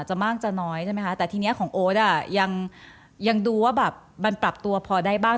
มากจะน้อยใช่ไหมคะแต่ทีนี้ของโอ๊ตอ่ะยังดูว่าแบบมันปรับตัวพอได้บ้าง